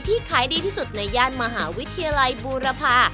ขายดีที่สุดในย่านมหาวิทยาลัยบูรพา